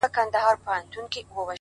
• لمن كي مي د سپينو ملغلرو كور ودان دى؛